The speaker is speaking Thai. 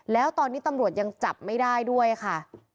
แล้วตอนนี้ตำรวจยังจับไม่ได้ด้วยค่ะ